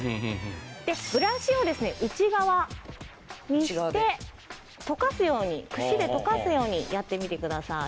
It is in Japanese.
でブラシをですね内側にしてとかすようにくしでとかすようにやってみてください。